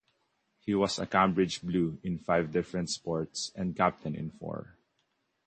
He was a Cambridge blue in five different sports and captain in four.